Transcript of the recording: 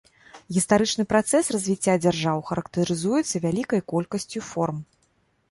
Гістарычны працэс развіцця дзяржаў характарызуецца вялікай колькасцю форм.